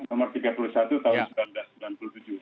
nomor tiga puluh satu tahun seribu sembilan ratus sembilan puluh tujuh